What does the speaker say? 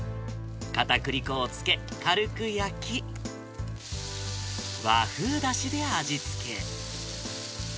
かたくり粉をつけ軽く焼き、和風だしで味付け。